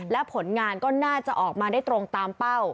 และผลงานก็น่าจะออกมาได้ตรงตามเป้า